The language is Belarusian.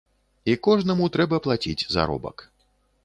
І кожнаму трэба плаціць заробак.